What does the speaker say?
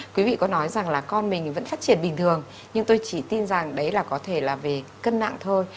quý vị có nói rằng là con mình vẫn phát triển bình thường nhưng tôi chỉ tin rằng đấy là có thể là về cân nặng thôi